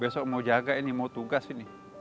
besok mau jaga ini mau tugas ini